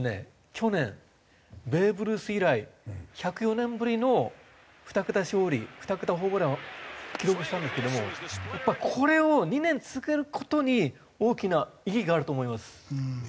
去年ベーブ・ルース以来１０４年ぶりの２桁勝利２桁ホームランを記録したんですけどもやっぱりこれを２年続ける事に大きな意義があると思います。